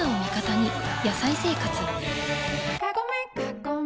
「野菜生活」